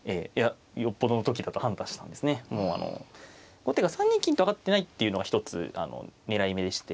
後手が３二金と上がってないっていうのが一つ狙い目でして。